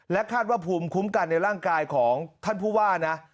คาดว่าภูมิคุ้มกันในร่างกายของท่านผู้ว่านะ